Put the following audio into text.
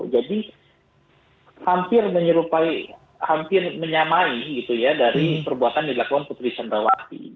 jadi hampir menyamai gitu ya dari perbuatan yang dilakukan putri candrawati